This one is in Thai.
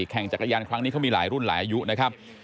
แข่งจักรยานครั้งนี้เขามีหลายรุ่นหลายอายุนะครับ